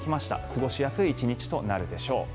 過ごしやすい１日となるでしょう。